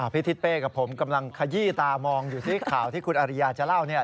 ทิศเป้กับผมกำลังขยี้ตามองอยู่ที่ข่าวที่คุณอริยาจะเล่าเนี่ย